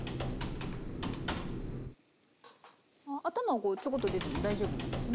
あ頭はこうちょこっと出ても大丈夫なんですね。